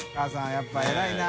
やっぱり偉いな。